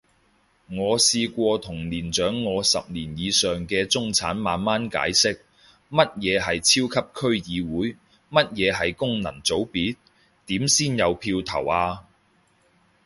我試過同年長我十年以上嘅中產慢慢解釋，乜嘢係超級區議會？乜嘢係功能組別？點先有票投啊？